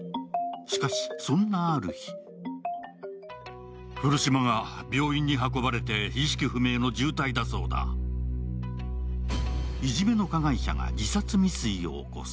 しかし、そんなある日いじめの加害者が自殺未遂を起こす。